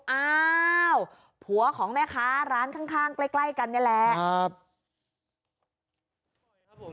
อ้าวผัวของแม่ค้าร้านข้างใกล้กันนี่แหละ